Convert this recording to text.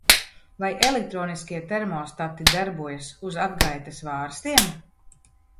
Vai elektroniskie termostati darbojas uz atgaitas vārstiem?